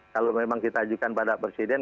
kalau memang kita ajukan pada presiden